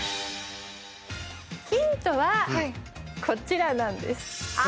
ヒントはこちらなんですあ！